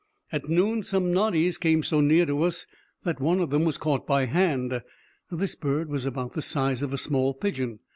_—At noon some noddies came so near to us, that one of them was caught by hand. This bird was about the size of a small pigeon.